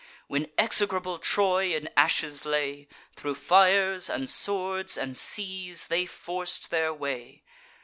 When execrable Troy in ashes lay, Thro' fires and swords and seas they forc'd their way.